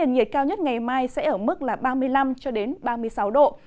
nhiệt cao nhất ngày mai sẽ ở mức ba mươi năm ba mươi sáu độ